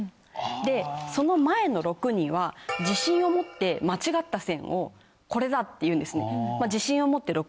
でその前の６人は自信を持って間違った線を「これだ」って言うんですね。をしてしまうっていう。